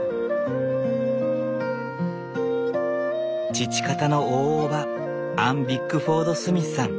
父方の大叔母アン・ビックフォード・スミスさん。